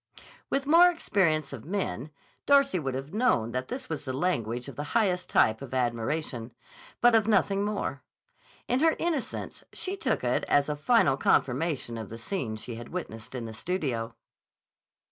With more experience of men, Darcy would have known that this was the language of the highest type of admiration, but of nothing more. In her innocence she took it as a final confirmation of the scene she had witnessed in the studio.